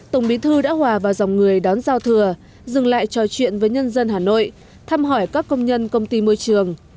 tổng bí thư đã hòa vào dòng người đón giao thừa dừng lại trò chuyện với nhân dân hà nội thăm hỏi các công nhân công ty môi trường